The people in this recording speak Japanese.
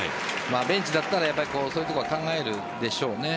ベンチだったらそういうところは考えるでしょうね。